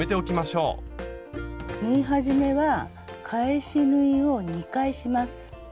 縫い始めは返し縫いを２回します。